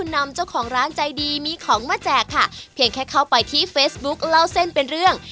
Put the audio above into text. นำเจ้าของร้านใจดีมีของมาแจกค่ะเพียงแค่เข้าไปที่เฟซบุ๊คเล่าเส้นเป็นเรื่อง